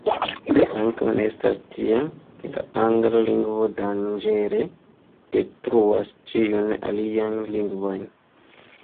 Ankaŭ ne estas tiel, ke la angla lingvo danĝere detruas ĉiujn aliajn lingvojn.